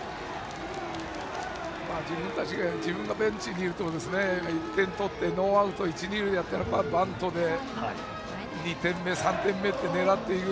自分のベンチにいると１点取ってノーアウト二塁一塁だったらバントで２点目、３点目を狙っていく。